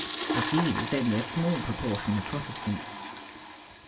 Of these only a smaU proportion are Protestants.